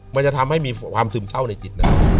มันจะทำให้มีความซึมเศร้าในจิตนะ